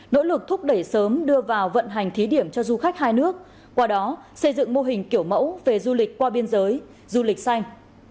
nỗ lực thúc đẩy sớm đưa vào vận hành thí điểm cho du khách hai nước qua đó xây dựng mô hình kiểu mẫu về du lịch qua biên giới du lịch xanh